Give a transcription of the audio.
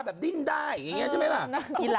ดิ้นได้อย่างนี้ใช่ไหมล่ะ